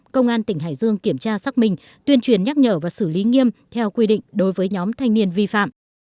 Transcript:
công an tỉnh hải dương kiểm tra xác minh tuyên truyền nhắc nhở và xử lý nghiêm theo quy định đối với nhóm thanh niên vi phạm